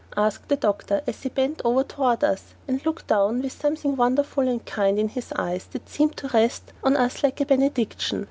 asked the doctor as he bent over toward us and looked down with something wonderful and kind in his eyes that seemed to rest on us like a benediction.